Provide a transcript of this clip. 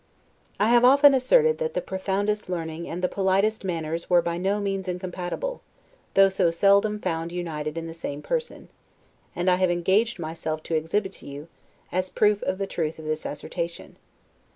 I have often asserted, that the profoundest learning and the politest manners were by no means incompatible, though so seldom found united in the same person; and I have engaged myself to exhibit you, as a proof of the truth of this assertion.